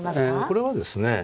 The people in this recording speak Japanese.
これはですね